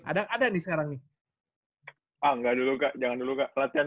ah enggak dulu kak latihan dulu deh kak